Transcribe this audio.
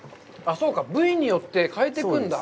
そうか、部位によって変えてくんだ。